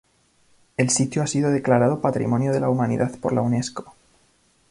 El sitio ha sido declarado Patrimonio de la Humanidad por la Unesco.